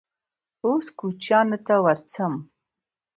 _اوس کوچيانو ته ورځم.